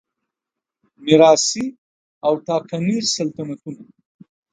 میراثي او ټاکنیز سلطنتونه